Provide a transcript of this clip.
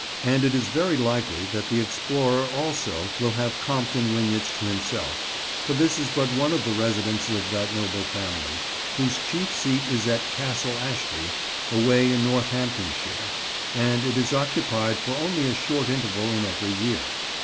And it is very likely that the explorer also will have Compton Wynyates to himself, for this is but one of the residences of that noble family, whose chief seat is at Castle Ashby, away in Northamptonshire, and it is occupied for only a short interval in every year.